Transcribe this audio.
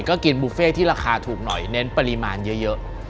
ก็กินบุฟเฟ่ที่ราคาถูกหน่อยเน้นปริมาณเยอะ